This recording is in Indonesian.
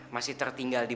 bantu aku ya allah